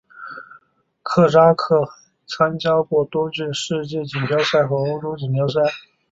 科扎克还参加过多届世界锦标赛和欧洲锦标赛。